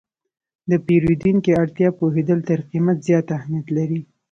د پیرودونکي اړتیا پوهېدل تر قیمت زیات اهمیت لري.